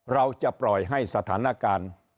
เราจะปล่อยให้สถานการณ์